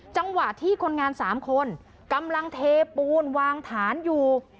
จังหวะที่คนงาน๓คนกำลังเทปูนวางฐานอยู่